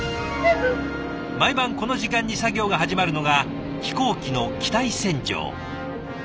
毎晩この時間に作業が始まるのが飛行機の機体洗浄。